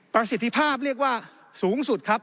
ประสิทธิภาพเรียกว่าสูงสุดครับ